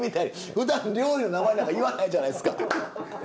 ふだん料理の名前なんか言わないじゃないですか。